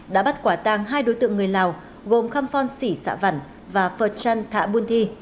đã bắt quả tàng hai đối tượng người lào gồm khâm phon sĩ xã vẳn và phật trăn thạ buôn thi